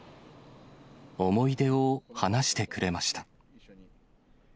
思い出を話してくれました。